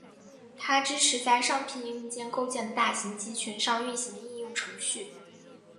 它支持在商品硬件构建的大型集群上运行的应用程序。